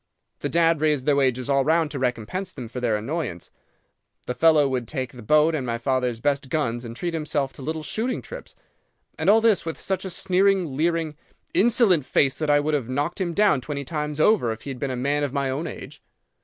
The dad raised their wages all round to recompense them for the annoyance. The fellow would take the boat and my father's best gun and treat himself to little shooting trips. And all this with such a sneering, leering, insolent face that I would have knocked him down twenty times over if he had been a man of my own age.